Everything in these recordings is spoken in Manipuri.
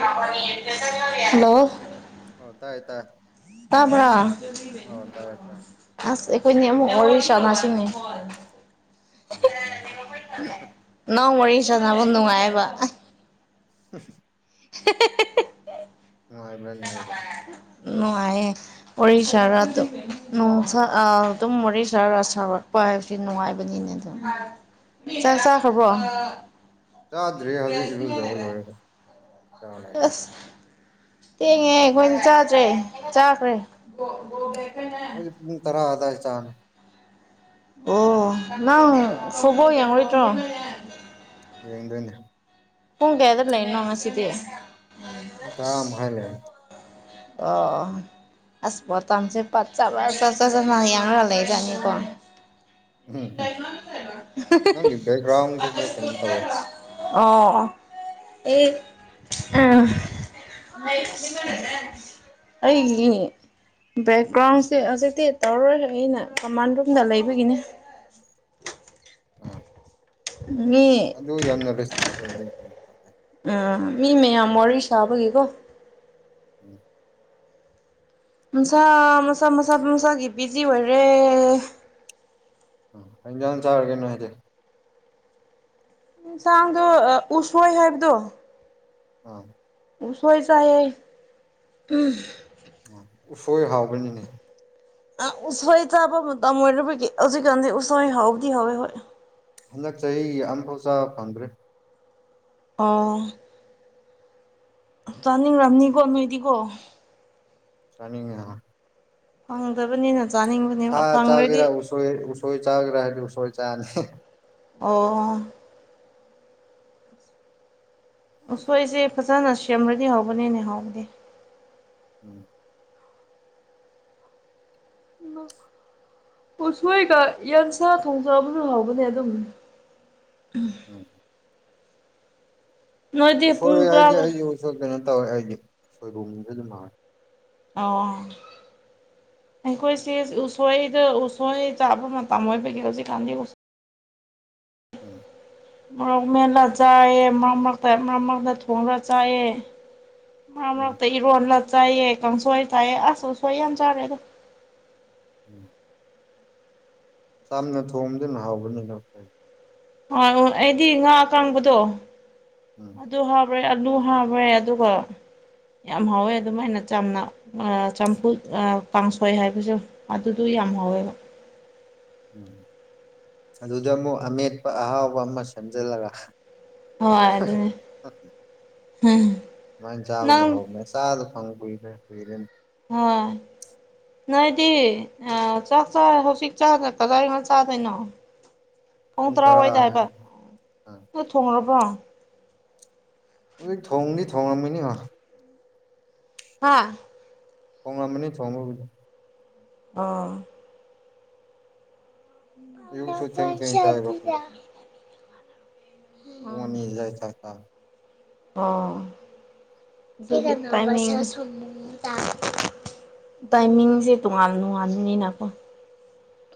ꯍꯜꯂꯣ ꯑꯣ ꯇꯥꯢ ꯇꯥꯢ ꯇꯥꯕ꯭ꯔꯥ ꯑꯣ ꯇꯥꯢꯌꯦ ꯇꯥꯢꯌꯦ ꯑꯁ ꯑꯩꯈꯣꯏꯅꯤ ꯑꯃꯨꯛ ꯋꯥꯔꯤ ꯆꯥꯟꯅꯁꯤꯅꯦ ꯍꯣꯢ ꯁꯥꯟꯅꯁꯤ ꯁꯥꯟꯅꯁꯤ ꯅꯪ ꯋꯥꯔꯤ ꯁꯥꯟꯅꯕ ꯅꯨꯡꯉꯥꯏꯑꯦꯕ ꯍ [unintelligible] ꯍꯦ ꯍꯦ ꯍꯦ ꯅꯨꯡꯉꯥꯏꯕ꯭ꯔꯥꯅꯦ ꯑꯩꯕꯨ ꯅꯨꯡꯉꯥꯏꯌꯦ ꯋꯥꯔꯤ ꯁꯥꯔ ꯑꯗꯨꯝ ꯑꯗꯨꯝ ꯋꯥꯔꯤ ꯁꯥꯔ ꯁꯥꯔꯛꯄ ꯍꯥꯏꯕꯁꯤ ꯅꯨꯡꯉꯥꯏꯕꯅꯤꯅꯦ ꯑꯗꯨꯝ ꯆꯥꯛ ꯆꯥ ꯎꯝ ꯆꯥꯗ꯭ꯔꯤ ꯍꯧꯖꯤꯛ ꯏꯔꯨꯖꯕ ꯂꯣꯏꯔꯒ ꯆꯥ ꯑꯁ ꯊꯦꯡꯉꯦ ꯑꯩꯈꯣꯏꯗꯤ ꯆꯥꯗ꯭ꯔꯦ ꯆꯥꯈ꯭ꯔꯦ ꯈꯣꯏꯗꯤ ꯄꯨꯡ ꯇꯔꯥ ꯑꯗꯨꯋꯥꯏ ꯆꯥꯅꯤ ꯑꯣ ꯅꯪ ꯐꯨꯠꯕꯣꯜ ꯌꯦꯡꯉꯣꯢꯗꯔꯣ ꯌꯦꯡꯗꯣꯏꯅꯦ ꯄꯨꯡ ꯀꯌꯥꯗ ꯂꯩꯅꯣ ꯉꯁꯤꯗꯤ ꯇꯥꯔꯥ ꯃꯈꯥꯢꯗ ꯂꯩꯌꯦ ꯑꯣ ꯑꯁ ꯣꯇꯝꯁꯦ [unintelligible] ꯄꯠ ꯆꯕ ꯆ ꯆ ꯆ ꯌꯥꯡꯔ ꯂꯩꯖꯅꯤꯀꯣ ꯎꯝ ꯎꯝ ꯅꯪꯒꯤ ꯕꯦꯛꯒ꯭ꯔꯥꯎꯟꯁꯦ ꯈꯔ ꯀꯩꯅꯣꯝ ꯇꯧꯋꯦ [unintelligible] ꯑꯣ ꯑꯦ ꯑꯥ ꯑꯩꯒꯤ ꯕꯦꯛꯒ꯭ꯔꯥꯎꯟꯁꯦ ꯍꯧꯖꯤꯛꯇꯤ ꯇꯧꯔꯔꯣꯏ ꯑꯩꯅ ꯀꯃꯥꯟ ꯔꯨꯝꯗ ꯂꯩꯕꯒꯤꯅꯤ [inaudible] ꯑꯥ ꯃꯤ ꯑꯗꯨ ꯌꯥꯝꯅ ꯔꯦꯁꯄꯦꯛ ꯑꯣꯢꯕꯒꯤ ꯎꯝ ꯃꯤ ꯃꯌꯥꯝ ꯋꯥꯔꯤ ꯁꯥꯕꯒꯤꯀꯣ ꯎꯝ ꯃ ꯁꯥ ꯃꯁꯥ ꯃꯁꯥ ꯃꯁꯥꯒꯤ ꯕꯤꯖꯤ ꯑꯣꯏꯔꯦ ꯎꯝ ꯀꯩꯍꯤꯟꯖꯡ ꯆꯥꯔꯒꯦꯅꯣ ꯅꯣꯏꯗꯤ ꯌꯦꯟꯁꯥꯡꯗꯨ ꯎꯁꯣꯏ ꯍꯥꯏꯕꯗꯣ ꯑ ꯎꯁꯣꯏ ꯆꯥꯏꯌꯦ ꯎꯝ ꯎ ꯎꯐꯣꯏ ꯍꯥꯎꯕꯅꯤꯅꯦ ꯑꯥ ꯎꯁꯥꯏ ꯆꯥꯕ ꯃꯇꯝ ꯑꯣꯏꯔꯕꯒꯤ ꯍꯧꯖꯤꯛꯀꯥꯟꯗꯤ ꯎꯁꯥꯏ ꯍꯥꯎꯗꯤ ꯍꯧꯋꯦ ꯍꯣꯏ ꯍꯟꯗꯛ ꯆꯍꯤ ꯑꯃꯐꯥꯎ ꯆꯥꯕ ꯐꯪꯗ꯭ꯔꯤ ꯑꯥ ꯆꯥꯅꯤꯡꯔꯝꯅꯤꯀꯣ ꯅꯣꯏꯗꯤꯀꯣ ꯆꯥꯅꯤꯡꯉꯤ ꯐꯪꯗꯕꯅꯤꯅ ꯁꯥ ꯆꯥꯅꯤꯡꯕꯅꯦꯕ ꯐꯪꯔꯗꯤ ꯆꯥꯒꯦꯔꯥ ꯎꯁꯣꯏ ꯎꯁꯣꯏ ꯆꯥꯒꯦꯔꯥ ꯍꯥꯏꯗꯤ ꯎꯁꯣꯏ ꯆꯥꯅꯤ ꯑꯣ ꯎꯁꯣꯏꯁꯦ ꯐꯖꯅ ꯁꯦꯝꯔꯗꯤ ꯍꯧꯕꯅꯤꯅꯦ ꯍꯥꯎꯗꯤ ꯎꯝ ꯎ [inaudible] ꯎꯁꯣꯏꯒ ꯌꯦꯟꯁꯥ ꯊꯣꯡ ꯆꯥꯕꯥꯁꯨ ꯍꯥꯎꯕꯅꯦ ꯑꯗꯨꯝ ꯑꯝ ꯎ ꯅꯣꯏꯗꯤ ꯄꯨꯡ ꯁꯣꯏꯦ ꯍꯥꯏꯁꯦ ꯇꯔꯥꯒ ꯑꯩꯁꯨ ꯀꯩꯅꯣ ꯇꯧꯋꯦ ꯑꯩꯗꯤ ꯁꯣꯏꯕꯨꯝꯗ ꯑꯗꯨꯝ ꯍꯥꯏ ꯑ ꯑꯩꯈꯣꯏꯁꯦ ꯎꯁꯣꯏꯗ ꯎꯁꯣꯏ ꯆꯥꯕ ꯃꯇꯝ ꯑꯣꯏꯕꯒꯤ ꯍꯧꯖꯤꯛꯀꯥꯟꯗꯤ ꯎꯝ ꯃꯣꯔꯣꯛ ꯃꯦꯠꯜ ꯆꯥꯌꯦ ꯃꯔꯛ ꯃꯔꯛ ꯊꯣꯉꯒꯥ ꯆꯥꯌꯦ ꯎꯝ ꯃꯔꯛꯇ ꯏꯔꯣꯜꯂ ꯆꯥꯏꯌꯦ ꯀꯥꯡꯁꯣꯏ ꯆꯥꯏꯑ ꯑꯁꯁꯨꯁꯣꯏ ꯌꯥꯝꯅ ꯆꯥꯔꯦꯗ ꯎꯝ ꯆꯝꯅ ꯊꯣꯡꯕꯗꯨꯅ ꯍꯥꯎꯕꯅꯤꯅ ꯎꯁꯣꯏ ꯑ ꯎ ꯑꯩꯗꯤ ꯉꯥ ꯑꯀꯥꯡꯕꯗꯣ ꯎꯝ ꯑꯗꯨ ꯍꯥꯞꯄ꯭ꯔꯦ ꯑꯗꯨ ꯍꯥꯞꯄ꯭ꯔꯦ ꯑꯗꯨꯒ ꯌꯥꯝ ꯍꯥꯎꯋꯦ ꯑꯗꯨꯃꯥꯏꯅ ꯆꯥꯝꯅ ꯑ ꯆꯝꯐꯨꯠ ꯑ ꯀꯥꯡꯁꯣꯏ ꯍꯥꯏꯕꯁꯨ ꯑꯗꯨꯗ ꯌꯥꯝ ꯍꯧꯋꯦꯕ ꯎꯝ ꯑꯗꯨꯗ ꯑꯃꯨꯛ ꯑꯃꯦꯠꯄ ꯑꯍꯥꯎꯕ ꯑꯃ ꯁꯦꯝꯖꯤꯜꯂꯒ ꯍꯣꯏ ꯑꯗꯨꯅꯦ ꯍꯝ ꯑꯗꯨꯃꯥꯏ ꯆꯥꯕꯗꯣ ꯍꯧ ꯆꯥꯗ ꯐꯪꯈꯤꯗꯔꯦ ꯀꯨꯏꯔꯦ ꯅꯤ [unintelligible] ꯅꯣꯏꯗꯤ ꯆꯥꯛ ꯆ ꯍꯧꯖꯤꯛ ꯆꯥꯗ ꯀꯗꯥꯏꯒ ꯆꯥꯗꯣꯏꯅꯣ ꯄꯨꯡ ꯇꯔꯥꯋꯥꯏꯗ ꯍꯥꯏꯕ ꯑꯥ ꯊꯣꯡꯔꯕ꯭ꯔꯣ ꯑꯩ ꯊꯣꯡꯗꯤ ꯊꯣꯡꯉꯝꯃꯤꯅꯤ ꯍꯥꯥ ꯊꯣꯡꯉꯝꯃꯅꯤ ꯊꯣꯡꯕꯕꯨꯗꯤ ꯑꯥ ꯑꯌꯨꯛꯁꯨ ꯊꯦꯡ ꯊꯦꯡ ꯆꯥꯏꯌꯦꯕ ꯑꯈꯣꯏꯗꯤ ꯄꯣꯅꯤꯖꯥꯏ ꯇꯥ [unintelligible] ꯑꯥ ꯇꯥꯏꯃꯤꯡ [unintelligible] ꯇꯥꯏꯃꯤꯡꯁꯦ ꯇꯣꯉꯥꯟ ꯇꯣꯉꯥꯟꯕꯅꯤꯅꯀꯣ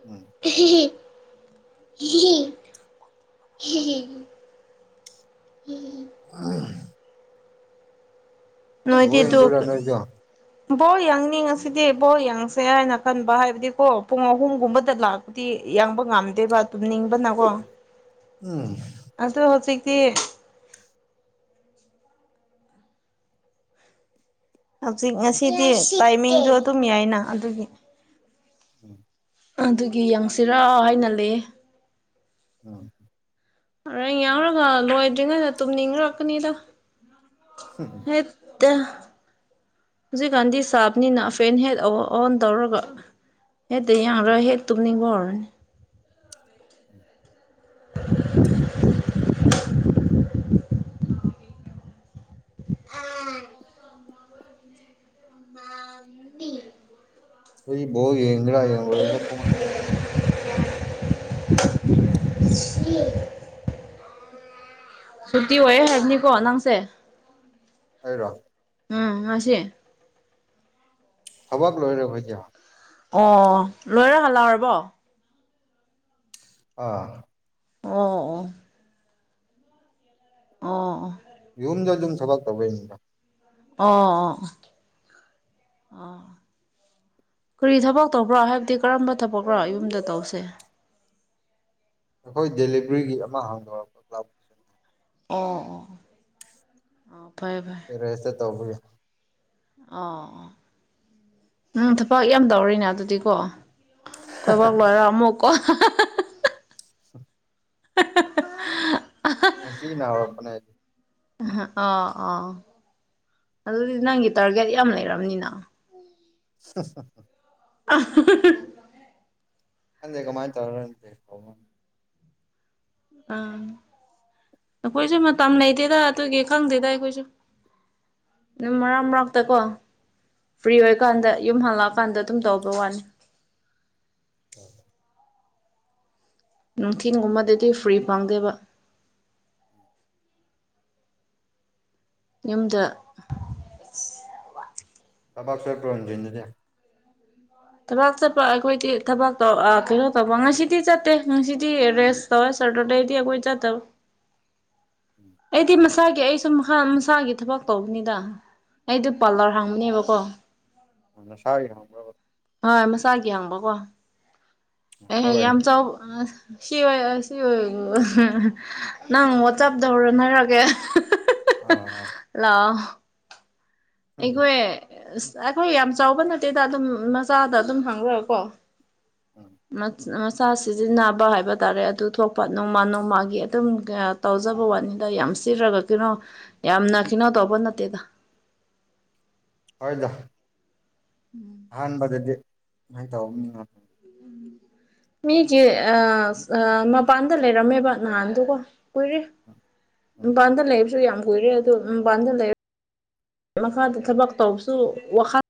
ꯎꯝ [unintelligible] [unintelligible] ꯑ [inaudible] ꯕꯣꯜ ꯅꯣꯏꯗꯤ ꯇꯨ ꯌꯦꯡꯗꯣꯏꯔ ꯅꯣꯏꯁꯨ ꯕꯣ ꯌꯥꯡꯅꯤꯡꯉꯁꯤꯗꯤ ꯕꯣ ꯌꯥꯡꯁꯦ ꯍꯥꯏꯅ ꯈꯟꯕ ꯍꯥꯏꯕꯗꯤꯀꯣ ꯄꯨꯡ ꯑꯍꯨꯝꯒꯨꯝꯕꯗ ꯂꯥꯛ ꯗꯤ ꯌꯥꯡꯕ ꯉꯝꯗꯦꯕ ꯇꯨꯝꯅꯤꯡꯕꯅꯀꯣ ꯎꯝ ꯑꯗꯣ ꯍꯧꯖꯤꯛꯇꯤ ꯍꯧꯖꯤꯛ ꯉꯁꯤꯗꯤ ꯇꯥꯏꯃꯤꯡꯁꯨ ꯑꯗꯨꯝ ꯌꯥꯏꯅ ꯑꯗꯨꯒꯤ ꯎꯝ ꯑꯗꯨꯒꯤ ꯌꯦꯡꯁꯤꯔꯥ ꯍꯥꯏꯅ ꯂꯩ [unintelligible] [unintelligible] ꯌꯥꯎꯔꯒ ꯂꯣꯏꯗ꯭ꯔꯤꯉꯩꯗ ꯇꯨꯝꯅꯤꯡꯔꯛꯀꯅꯤꯗ [unintelligible] ꯍꯦꯠ ꯇꯥ ꯍꯧꯖꯤꯛꯀꯟꯗꯤ ꯁꯥꯕꯅꯤꯅ ꯐꯦꯟ ꯍꯦꯠ ꯑꯣ ꯑꯣꯟ ꯇꯧꯔꯒ [unintelligible] ꯍꯦꯠ ꯑꯩꯈꯣꯏꯗꯤ ꯇꯨꯞꯅꯤꯡꯕ ꯍꯧꯔꯅꯤ [unintelligible] [inaudible] [unintelligible] ꯃꯥꯝꯃꯤ ꯈꯣꯏꯗꯤ ꯕꯣꯜ ꯌꯦꯡꯒꯦꯔ ꯌꯦꯡꯔꯣꯏꯗ꯭ꯔ ꯄꯨꯡ ꯑꯅꯤ ꯑꯍꯨꯝ [inaudible] [unintelligible] ꯁꯨꯇꯤ ꯑꯣꯏꯌꯦ ꯍꯥꯏꯕꯅꯦꯀꯣ ꯅꯪꯁꯦ? ꯑꯩꯔꯣ ꯎꯝ ꯉꯁꯤ ꯊꯥꯕꯛ ꯂꯣꯏꯔ [unintelligible] ꯑꯣ ꯂꯣꯏꯔ ꯍꯜꯂꯥꯛꯔꯕꯣ? ꯑꯥ꯫ ꯑꯣ ꯑꯣ ꯑꯣ ꯑꯣ ꯌꯨꯝꯗ ꯑꯗꯨꯝ ꯊꯥꯕꯛ ꯇꯧꯋꯦ [unintelligible] ꯑꯣ ꯑꯣ ꯑꯣ ꯑꯥ ꯑꯣ ꯀꯔꯤ ꯊꯕꯛ ꯇꯧꯕ꯭ꯔꯥ? ꯍꯥꯏꯕꯗꯤ ꯀꯔꯝꯕ ꯊꯕꯛꯔꯥ ꯌꯨꯝꯗ ꯇꯧꯁꯦ? ꯑꯈꯣꯏ ꯗꯦꯂꯤꯚꯔꯤꯒꯤ ꯑꯃ ꯍꯥꯡꯗꯣꯛꯔꯛꯄ [unintelligible] ꯑꯣ ꯑꯣ ꯑꯣ ꯑꯥ ꯐꯩ ꯐꯩ ꯇꯦꯔꯦꯁꯇꯥ ꯇꯧꯕꯒꯤ ꯑꯣ ꯑꯣ ꯅꯪ ꯊꯕꯛ ꯌꯥꯝ ꯇꯧꯔꯤꯅꯦ ꯑꯗꯨꯗꯤꯀꯣ ꯀꯣꯏꯕꯛ ꯂꯣꯏꯔ ꯑꯃꯨꯛ ꯀꯣ [unintelligible] [inaudible] ꯉꯁꯤꯅ ꯍꯧꯔꯛꯄꯅꯦ [unintelligible] ꯑꯣ ꯑꯣ ꯑꯗꯨꯗꯤ ꯅꯪꯒꯤ ꯇꯥꯔꯒꯦꯠ ꯌꯥꯝ ꯂꯩꯔꯝꯅꯤꯅ? [unintelligible] [unintelligible] ꯈꯪꯗꯦ ꯀꯃꯥꯏꯅ ꯇꯧꯔꯥ [unintelligible] ꯑꯥ ꯑꯩꯈꯣꯏꯁꯨ ꯃꯇꯝ ꯂꯩꯇꯦꯗ ꯑꯗꯨꯒꯤ ꯈꯪꯗꯦꯗ ꯑꯩꯈꯣꯏꯁꯨ ꯗꯨꯝ ꯃꯔꯛ ꯃꯔꯛꯇ ꯀꯣ ꯐ꯭ꯔꯤ ꯑꯣꯏꯀꯥꯟꯗ ꯌꯨꯝ ꯍꯜꯂꯛꯑꯀꯥꯟꯗ ꯑꯗꯨꯝ ꯇꯧꯕ ꯋꯥꯅꯤ [unintelligible] ꯅꯨꯡꯊꯤꯟꯒꯨꯝꯕꯗꯗꯤ ꯐ꯭ꯔꯤ ꯐꯪꯗꯦꯕ ꯌꯨꯝꯗ ꯊꯕꯛ ꯆꯠꯄ꯭ꯔꫭ ꯅꯨꯡꯊꯤꯟꯗꯗꯤ? ꯊꯕꯥꯛ ꯆꯠꯄ ꯑꯩꯈꯣꯏꯗꯤ ꯊꯕꯥꯛ ꯊꯧ ꯑꯥ ꯀꯩꯅꯣ ꯇꯧꯕ ꯉꯁꯤꯗꯤ ꯆꯠꯇꯦ ꯉꯁꯤꯗꯤ ꯔꯦꯁ ꯇꯧꯋꯦ ꯁꯔꯇꯔꯗꯦꯗꯤ ꯑꯩꯈꯣꯏ ꯆꯠꯇꯧ ꯎꯝ ꯑꯩꯗꯤ ꯃꯁꯥꯒꯤ ꯑꯩꯁꯨ ꯃꯥꯈꯜ ꯃꯁꯥꯒꯤ ꯊꯕꯛ ꯇꯧꯕꯅꯤꯗ ꯑꯩꯗ ꯄꯥꯔꯂꯔ ꯍꯥꯡꯕꯅꯦꯕꯀꯣ ꯑꯣ ꯅꯁꯥꯒꯤ ꯍꯪꯕ꯭ꯔ ꯕꯥ? ꯍꯣꯏ ꯃꯁꯥꯒꯤ ꯍꯥꯡꯕꯀꯣ꯫ ꯑꯦꯍꯦ ꯍꯣꯏ ꯌꯥꯝ ꯆꯥꯎ [unintelligible] ꯁꯤ ꯑꯣꯏ ꯑꯣꯏ ꯁꯤ ꯑꯣꯏ [unintelligible] ꯅꯪ ꯋꯠꯆꯞꯇꯥ ꯍꯧꯔꯟ ꯍꯥꯏꯔꯛꯀꯦ [unintelligible] ꯑꯥ ꯑꯥ ꯂꯥꯛ ꯑꯣ ꯎꯝ ꯑꯩꯈꯣꯏ ꯑꯁ ꯑꯩꯈꯣꯏ ꯌꯥꯝ ꯆꯥꯎꯕ ꯅꯠꯇꯦꯗ ꯑꯗꯨꯝ ꯃꯆꯥꯗ ꯑꯗꯨꯝ ꯍꯡꯔꯒꯀꯣ [unintelligible] ꯆꯥ ꯁꯤꯖꯤꯟꯅꯕ ꯍꯥꯏꯕ ꯇꯥꯔꯦ ꯑꯗꯨ ꯊꯣꯛꯄ ꯅꯣꯡꯃ ꯅꯣꯡꯃꯥꯒꯤ ꯑꯗꯨꯝ ꯇꯧꯖꯕ ꯋꯥꯅꯤꯗ ꯌꯥꯝ ꯁꯤꯠꯔꯒ ꯀꯩꯅꯣ ꯌꯥꯝꯅ ꯀꯩꯅꯣ ꯇꯧꯕ ꯅꯠꯇꯦꯗ ꯍꫭꯏꯗ ꯎꯝ ꯑꯍꯥꯟꯕꯗꯗꯤ ꯁꯨꯃꯥꯏꯅ ꯇꯧꯕꯅꯤꯅ ꯃꯤꯒꯤ ꯃꯄꯥꯟꯗ ꯂꯩꯔꯝꯃꯦꯕ ꯅꯍꯥꯟꯗꯨꯀꯣ ꯀꯨꯏꯔꯦ ꯎꯝ ꯃꯄꯥꯟꯗ ꯂꯩꯕꯁꯨ ꯌꯥꯝ ꯀꯨꯏꯔꯦ ꯃꯄꯥꯟꯗ ꯂꯩ ꯃꯈꯥꯗ ꯊꯕꯛ ꯇꯧꯕꯁꯨ ꯋꯥꯈꯜ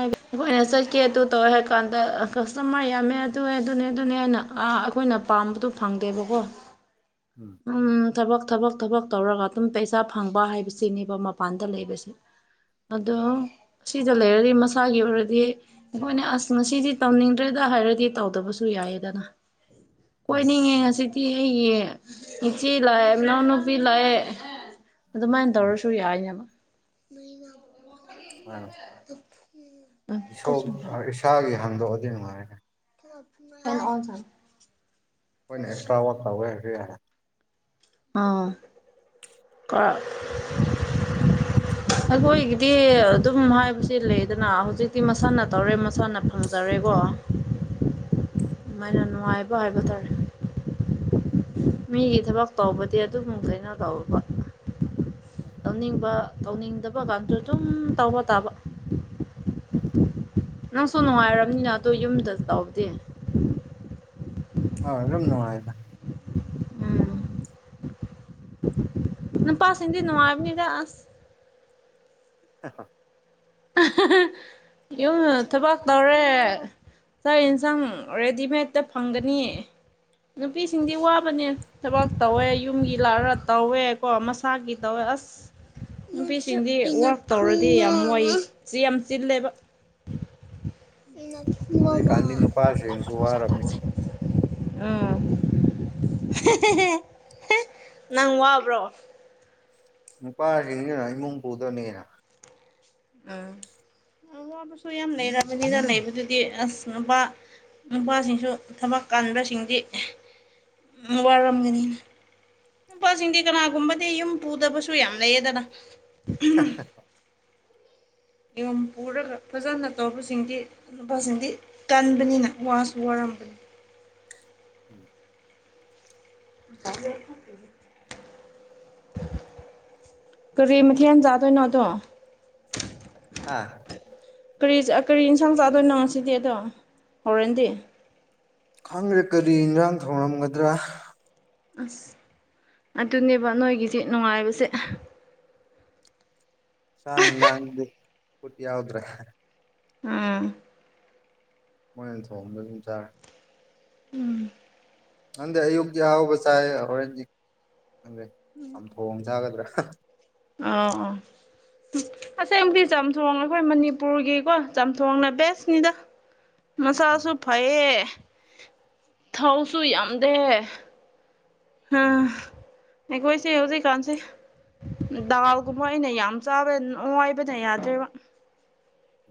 ꯑꯩꯈꯣꯏꯅ ꯆꯠꯀꯦ ꯑꯗꯨ ꯇꯧꯔꯦ ꯍꯥꯏꯔ ꯀꯥꯟꯗ ꯀꯁꯇꯃꯔ ꯌꯥꯝꯃꯦ ꯑꯗꯨ ꯑꯗꯨꯅꯦ ꯑꯗꯨꯅꯦ ꯍꯥꯏꯅ ꯑꯩꯈꯣꯏꯅ ꯄꯥꯝꯕꯗꯨ ꯐꯪꯗꯦꯕꯀꯣ ꯎꯝ ꯋꯨꯝ ꯊꯕꯛ ꯊꯕꯛ ꯊꯕꯛ ꯇꯧꯔꯒ ꯑꯗꯨꯝ ꯄꯩꯁꯥ ꯐꯪꯕ ꯍꯥꯏꯕꯁꯤꯅꯦꯕ ꯃꯄꯥꯟꯗ ꯂꯩꯕꯁꯦ ꯑꯗꯣ ꯁꯤꯗ ꯂꯩꯔꯗꯤ ꯃꯁꯥꯒꯤ ꯑꯣꯏꯔꯗꯤ ꯑꯩꯈꯣꯏꯅꯦ ꯑꯁ ꯉꯁꯤꯗꯤ ꯇꯧꯅꯤꯡꯗ꯭ꯔꯦꯗ ꯍꯥꯏꯔꯗꯤ ꯇꯧꯗꯕꯁꯨ ꯌꯥꯏꯌꯦꯗꯅ ꯎꯝ ꯀꯣꯏꯅꯤꯡꯉꯦ ꯉꯁꯤꯗꯤ ꯑꯩꯒꯤ ꯏꯆꯦ ꯂꯥꯛꯑꯦ ꯏꯅꯥꯎꯅꯨꯄꯤ ꯂꯥꯛꯑꯦ ꯑꯗꯨꯃꯥꯏꯅ ꯎꯝ ꯇꯧꯔꯁꯨ ꯌꯥꯏꯅ ꯑ [unintelligible] ꯑ ꯀꯁꯨꯝ [unintelligible] ꯏꯁꯥꯒꯤ ꯍꯥꯡꯗꯣꯛꯑꯗꯤ ꯅꯨꯡꯉꯥꯏꯅꯤ [unintelligible] ꯑꯩꯅ ꯑꯦꯛꯁꯇ꯭ꯔ ꯋꯥꯛ ꯇꯧꯒꯦ ꯍꯥꯏꯔꯁꯨ ꯌꯥꯔꯦ ꯑꯥ ꯀꯔ [unintelligible] ꯑꯩꯈꯣꯏꯒꯤꯗꯤ ꯑꯗꯨꯝ ꯍꯥꯏꯕꯁꯦ ꯂꯩꯗꯅ ꯍꯧꯖꯤꯛꯇꯤ ꯃꯁꯥꯅ ꯇꯧꯔꯦ ꯃꯁꯥꯅ ꯐꯪꯖꯔꯦꯀꯣ ꯑꯗꯨꯃꯥꯏꯅ ꯅꯨꯡꯉꯥꯏꯕ ꯍꯥꯏꯕ ꯇꯥꯔꯦ ꯃꯤꯒꯤ ꯊꯕꯛ ꯇꯧꯕꯗꯤ ꯑꯗꯨꯝ ꯀꯩꯅꯣ ꯇꯧꯕ ꯎꯝ [unintelligible] ꯇꯧꯅꯤꯡꯕ ꯇꯧꯅꯤꯡꯗꯕ ꯒꯗꯣ ꯑꯗꯨꯝ ꯇꯧꯕ ꯇꯥꯕ ꯎꯝ ꯅꯪꯁꯨ ꯅꯨꯡꯉꯥꯏꯔꯝꯅꯤꯅ ꯑꯗꯨ ꯌꯨꯝꯗ ꯇꯧꯕꯗꯤ ꯑꯧ ꯑꯗꯨꯝ ꯅꯨꯡꯉꯥꯏꯗ ꯎꯝ ꯅꯨꯄꯥꯁꯤꯡꯗꯤ ꯅꯨꯡꯉꯥꯢꯕꯅꯤꯗ ꯑꯁ ꯍꯥ ꯍꯥ ꯌꯨꯝ ꯊꯕꯥꯛ ꯇꯧꯔꯦ ꯆꯥꯛ ꯌꯦꯟꯁꯥꯡ ꯔꯦꯗꯤꯃꯦꯗꯠꯇ ꯐꯪꯒꯅꯤ ꯅꯨꯄꯤꯁꯤꯡꯗꯤ ꯋꯥꯕꯅꯦ ꯊꯕꯛ ꯇꯧꯋꯦ ꯌꯨꯝꯒꯤ ꯂꯥꯛꯑꯔ ꯇꯧꯋꯦ ꯀꯣ ꯃꯁꯥꯒꯤ ꯇꯧꯋꯦ ꯑꯁ ꯅꯨꯄꯤꯁꯤꯡꯗꯤ ꯋꯥꯛ ꯇꯧꯔꯗꯤ ꯌꯥꯝ ꯋꯥꯢꯌꯦ ꯁꯤ ꯌꯥꯝ ꯆꯤꯜꯂꯦꯕ ꯍꯧꯖꯤꯛꯒꯥꯟꯗꯤ ꯅꯨꯄꯥꯁꯤꯡꯁꯨ ꯋꯥꯔꯕꯅꯤ ꯎꯝ ꯅꯪ ꯋꯥꯕ꯭ꯔꯣ ꯅꯨꯄꯥꯁꯤꯡꯁꯤꯅ ꯏꯃꯨꯡ ꯄꯨꯗꯣꯢꯅꯤ ꯀꯩꯅꯣ ꯎꯝ ꯑꯋꯥꯕꯁꯨ ꯌꯥꯝ ꯂꯩꯔꯕꯅꯤꯗ ꯂꯩꯕꯗꯨꯗꯤ ꯑꯁ ꯅꯨꯄꯥ ꯅꯨꯄꯥꯁꯤꯡꯁꯨ ꯊꯕꯛ ꯀꯥꯟꯕꯁꯤꯡꯗꯤ ꯋꯥꯔꯝꯒꯅꯤ ꯅꯨꯄꯥꯁꯤꯡꯗꯤ ꯀꯅꯥꯒꯨꯝꯕꯗꯤ ꯌꯨꯝ ꯄꯨꯗꯕꯁꯨ ꯌꯥꯝ ꯂꯩꯌꯦꯗꯅ ꯍ ꯍ [unintelligible] ꯌꯨꯝ ꯄꯨꯔꯒ ꯐꯖꯅ ꯇꯧꯕꯁꯤꯡꯗꯤ ꯅꯨꯄꯥꯁꯤꯡꯗꯤ ꯀꯟꯕꯅꯤꯅ ꯋꯥꯁꯨ ꯋꯥꯔꯝꯒꯅꯤ ꯎꯝ ꯆꯦ [unintelligible] ꯀꯔꯤ ꯃꯊꯦꯟ ꯆꯥꯗꯣꯏꯅꯣꯗꯣ ꯑꯥ ꯀꯔꯤ ꯀꯔꯤ ꯌꯦꯟꯁꯥꯡ ꯆꯥꯗꯣꯏꯅꯣ ꯉꯁꯤꯗꯤ ꯑꯗꯣ ꯍꯔꯦꯟꯗꯤ ꯈꯪꯗꯔꯦ ꯀꯔꯤ ꯏꯟꯔꯥꯡ ꯊꯧꯉꯝꯒꯗ꯭ꯔꯥ ꯑꯁ ꯑꯗꯨꯅꯦꯕ ꯅꯣꯏꯒꯤꯁꯦ ꯅꯨꯡꯉꯥꯏꯕꯁꯦ ꯆꯥꯛ ꯑꯦꯟꯖꯥꯡ ꯗꯤ [unintelligible] ꯌꯥꯎꯗ꯭ꯔꯦ ꯎꯝ ꯃꯣꯏꯅ ꯊꯣꯡꯕꯗ ꯑꯗꯨꯝ ꯆꯥꯔꯦ ꯎꯝ ꯅꯪꯗꯦ ꯑꯌꯨꯛꯇ ꯑꯍꯥꯎꯕ ꯆꯥꯏ ꯍꯣꯔꯦꯟꯗꯤ ꯈꯪꯗꯦ ꯆꯝꯊꯣꯡ ꯆꯥꯒꯗ꯭ꯔꯥ ꯑ ꯑ ꯑꯁꯦꯡꯕꯗꯤ ꯆꯝꯊꯣꯡ ꯑꯩꯈꯣꯏ ꯃꯅꯤꯄꯨꯔꯒꯤꯀꯣ ꯆꯥꯝꯊꯣꯡꯅ ꯕꯦꯁꯅꯤꯗ ꯎꯝ ꯃꯁꯥꯁꯨ ꯐꯩꯌꯦ ꯊꯥꯎꯁꯨ ꯌꯥꯝꯗꯦ ꯑꯥ ꯎꯝ ꯑꯩꯈꯣꯏꯁꯦ ꯍꯧꯖꯤꯛꯀꯥꯟꯁꯦ ꯗꯥꯜꯒꯨꯝꯕ ꯑꯣꯏꯅ ꯌꯥꯝ ꯆꯥꯔꯦ ꯅꯣꯏꯕꯅ ꯌꯥꯗ꯭ꯔꯦꯕ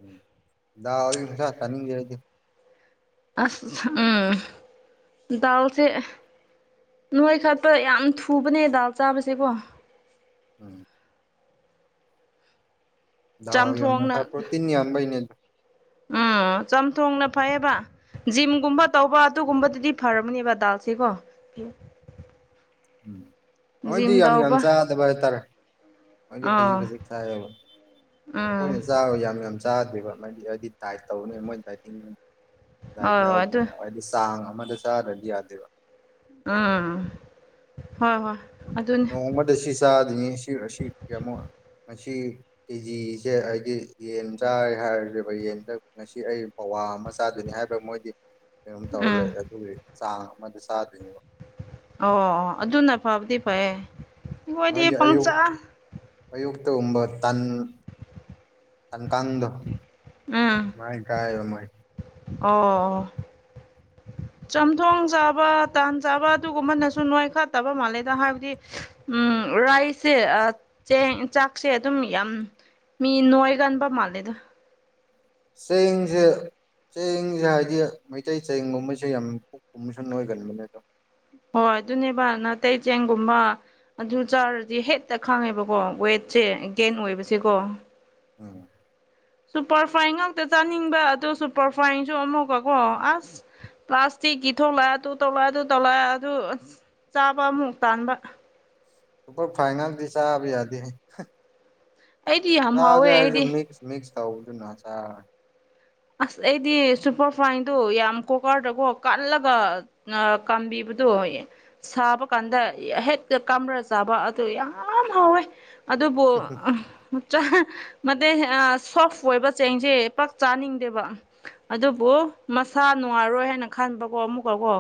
ꯎꯝ ꯗꯥꯜ [unintelligible] ꯆꯅꯤꯡꯕ ꯑꯣꯏꯗꯦ ꯑꯁ ꯎꯝ ꯗꯥꯜ ꯁꯦ ꯅꯣꯏ ꯈꯠꯄ ꯌꯥꯝ ꯊꯨꯕꯅꯦ ꯗꯥꯜ ꯆꯥꯕꯁꯦꯀꯣ ꯎꯝ ꯗꯥꯜ ꯌꯥꯝꯅ ꯅꯣꯏꯈꯠ ꯆꯝꯊꯣꯡꯅ ꯄꯔꯣꯇꯤꯟ ꯌꯥꯝꯕꯩꯅꯦ ꯑꯗꯨ ꯎꯝ ꯆꯝꯊꯣꯡꯅ ꯐꯩꯌꯦꯕ ꯖꯤꯝꯒꯨꯝꯕ ꯎꯝ ꯇꯧꯕ ꯇꯨꯒꯨꯝꯕꯗꯤ ꯐꯔꯝꯅꯤꯕꯕꯥ ꯗꯥꯜꯁꯤ ꯀꯑꯣ [inaudible] ꯎꯝ ꯃꯍꯣꯏꯗꯤ ꯖꯤꯝ ꯌꯥꯝ ꯌꯥꯝ ꯇꯧꯕ ꯆꯥꯗꯕ ꯍꯥꯏꯇꯥꯔꯦ ꯃꯣꯏꯗꯤ ꯈꯖꯤꯛ ꯑꯥ ꯈꯖꯤꯛ ꯆꯥꯏꯌꯦꯕ ꯑꯩꯈꯣꯏꯅ ꯎꯝ ꯆꯥꯕ ꯌꯥꯝ ꯌꯥꯝ ꯆꯥꯗꯦꯕ ꯃꯣꯏꯗꯤ ꯍꯥꯏꯗꯤ ꯗꯥꯏꯠ ꯇꯧꯅꯤꯅ ꯃꯣꯏ ꯗꯥꯏꯠꯇꯤꯡ ꯗꯥꯏ ꯍꯣꯏ ꯍꯣꯏ ꯑꯗꯨ ꯌꯥꯎꯕꯅꯦ ꯍꯥꯏꯗꯤ ꯇꯥꯡ ꯑꯃꯗ ꯆꯥꯗꯔꯥꯗꯤ ꯌꯥꯗꯦꯕ ꯎꯝ ꯍꯣꯏ ꯍꯣꯏ ꯑꯗꯨꯅꯤ ꯅꯣꯡꯃꯗ ꯁꯤ ꯆꯥꯗꯣꯏꯅꯦ ꯁꯤ ꯑꯁꯤ ꯀꯌꯥꯃꯨꯛ ꯃꯁꯤ ꯀꯦꯖꯤꯁꯦ ꯍꯥꯏꯗꯤ ꯌꯦꯟ ꯆꯥꯔꯦ ꯍꯥꯏꯔꯁꯦꯕ ꯌꯦꯟꯗ ꯉꯁꯤ ꯑꯩ ꯄꯋꯥ ꯑꯃ ꯆꯥꯗꯣꯏꯅꯤ ꯍꯥꯏꯕ ꯃꯣꯏꯗꯤ ꯀꯩꯅꯣꯝ ꯇꯧꯔ ꯎꯝ ꯂꯩ ꯑꯗꯨꯒꯤ ꯆꯥꯡ ꯑꯃꯗ ꯆꯥꯗꯣꯏꯅꯦꯕ ꯑꯣ ꯑꯗꯨꯅ ꯐꯕꯗꯤ ꯐꯌꯦ ꯍ ꯌꯥ ꯑꯌꯣ [unintelligible] ꯑꯌꯨꯛꯇꯒꯨꯝꯕ ꯇꯥꯟ ꯇꯥꯟꯀꯥꯡꯗꯣ ꯎꯝ ꯃꯥꯥꯏ ꯀꯥꯏ ꯃꯥꯥꯏ ꯑꯣ ꯆꯝꯊꯣꯡ ꯆꯥꯕ ꯇꯥꯟ ꯆꯥꯕ ꯑꯗꯨꯒꯨꯝꯕꯅꯁꯨ ꯅꯣꯏꯈꯥꯠꯇꯕ ꯃꯥꯜꯂꯦꯗ ꯍꯥꯏꯕꯗꯤ ꯎꯝ ꯔꯥꯏꯁꯦ ꯆꯦꯡ ꯆꯥꯛꯁꯦ ꯑꯗꯨꯝ ꯌꯥꯝ ꯃꯤ ꯅꯣꯑꯒꯥꯟꯕꯥ ꯃꯥꯂꯦꯗ ꯆꯦꯡꯖꯦ ꯆꯦꯡꯁꯦ ꯍꯥꯏꯗꯤ ꯃꯩꯇꯩ ꯆꯦꯡ ꯒꯨꯝꯃꯁꯦ ꯌꯥꯝ ꯄꯨꯛ ꯀꯨꯝꯕꯁꯦ ꯌꯥꯝ ꯅꯣꯏꯒꯟꯕꯅꯦ ꯀꯣ ꯍꯣꯏ ꯑꯗꯨꯅꯦꯕ ꯅꯥꯇꯩ ꯆꯦꯡꯒꯨꯝꯕ ꯑꯗꯨ ꯆꯥꯔꯗꯤ ꯍꯦꯛꯇ ꯈꯥꯡꯉꯦꯕꯀꯣ ꯋꯦꯠꯁꯦ ꯒꯦꯟ ꯑꯣꯏꯕꯁꯦꯀꯣ ꯎꯝ ꯁꯨꯄꯔꯐꯥꯏꯟ ꯉꯥꯛꯇ ꯆꯥꯅꯤꯡꯕ ꯑꯗ ꯁꯨꯄꯔꯐꯥꯏꯟꯁꯨ ꯑꯃꯨꯛꯀꯀꯣ ꯑꯁ ꯄ꯭ꯂꯥꯁꯇꯤꯛꯀꯤ ꯊꯣꯛꯂꯛꯑ ꯑꯗꯨ ꯇꯧꯂꯛꯑ ꯑꯗꯨ ꯇꯧꯂꯛꯑ ꯑꯗꯨ ꯆꯥꯕ ꯑꯃꯨꯛ ꯇꯥꯟꯕ ꯁꯨꯄꯔꯐꯥꯏꯟ ꯉꯥꯛꯗꯤ ꯆꯥꯕ ꯌꯥꯗꯦꯍꯦ ꯑꯩꯗꯤ ꯌꯥꯝ ꯍꯥꯎꯋꯦ ꯆꯒꯦ ꯍꯥꯢꯔꯁꯨ ꯑꯩꯗꯤ ꯃꯤꯛꯁ ꯃꯤꯛꯁ ꯊꯧꯗꯨꯅ ꯆꯥꯔꯅꯤ ꯑꯁ ꯑꯩꯗꯤ ꯁꯨꯄꯔ ꯐꯥꯏꯟꯗꯨ ꯌꯥꯝ ꯀꯣꯀꯔꯗꯀꯣ ꯀꯜꯂꯒ ꯑ ꯀꯥꯝꯕꯤꯕꯗꯨꯌꯦ ꯁꯥꯕ ꯀꯥꯟꯗ ꯍꯦꯛꯇ ꯀꯥꯝꯔ ꯆꯥꯕ ꯑꯗꯨ ꯌꯥꯝ ꯍꯥꯎꯋꯦ ꯑꯗꯨꯕꯨ ꯅꯠꯇꯦ ꯁꯣꯐ ꯑꯣꯏꯕ ꯆꯦꯡꯁꯦ ꯄꯥꯛ ꯆꯥꯅꯤꯡ ꯗꯦꯕ ꯑꯗꯨꯕꯨ ꯃꯁꯥ ꯅꯨꯡꯉꯥꯏꯔꯣꯏ ꯍꯥꯏꯅ ꯈꯟꯕꯀꯣ ꯑꯃꯨꯛꯀꯀꯣ